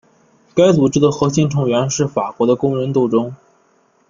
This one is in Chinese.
该组织的核心成员是法国的工人斗争。